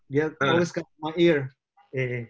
dia selalu kemari ke telinga saya